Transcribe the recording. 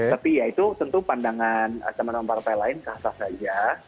tapi ya itu tentu pandangan teman teman partai lain sah sah saja